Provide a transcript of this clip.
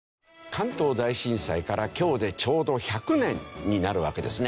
関東大震災から今日でちょうど１００年になるわけですね。